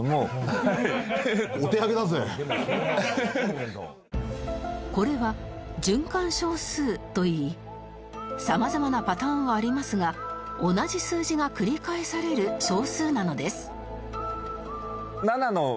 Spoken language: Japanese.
ちょっとこれは循環小数といい様々なパターンはありますが同じ数字が繰り返される小数なのです